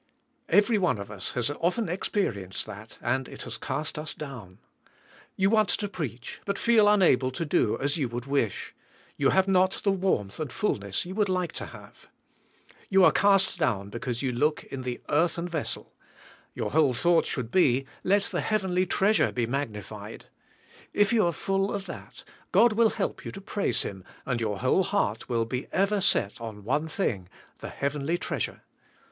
Kvery one of us has often experienced that, and it has cast us down. You want to preach, but feel unable to do as you would wish. You have not the warmth and fullness you like to have. You are cast down because you look in the earthen vessel. Your whole thought should be: Let the heavenly treasure be magnified. If you are full of that, God will help you to praise Him, and your whole heart will be ever set on one thing — the heavenly treasure.